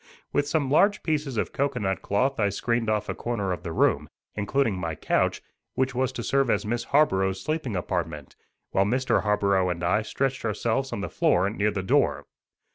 With some large pieces of cocoanut cloth I screened off a corner of the room, including my couch, which was to serve as Miss Harborough's sleeping apartment, while Mr. Harborough and I stretched ourselves on the floor near the door.